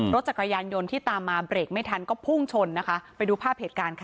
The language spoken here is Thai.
รถจักรยานยนต์ที่ตามมาเบรกไม่ทันก็พุ่งชนนะคะไปดูภาพเหตุการณ์ค่ะ